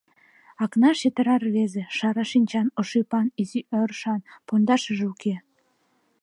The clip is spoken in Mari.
Акнаш — йытыра рвезе: шара шинчан, ош ӱпан, изи ӧрышан, пондашыже уке.